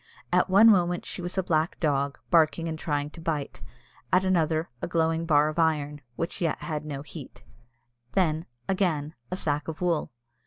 At one moment she was a black dog, barking and trying to bite; at another, a glowing bar of iron, which yet had no heat; then, again, a sack of wool.